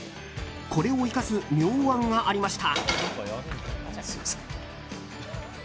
これを生かす妙案がありました。